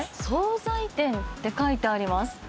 惣菜店って書いてあります。